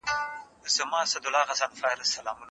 څوک وو چې د اسلام لومړنی خلیفه په توګه وټاکل شو؟